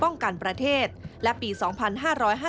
โรงพยาบาลบ้านแพ้วและสถาบันรับรองคุณภาพสถานพยาบาล